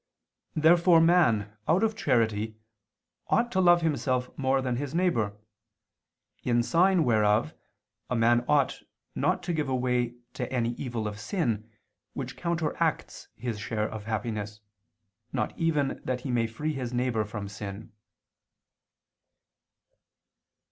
Therefore man, out of charity, ought to love himself more than his neighbor: in sign whereof, a man ought not to give way to any evil of sin, which counteracts his share of happiness, not even that he may free his neighbor from sin.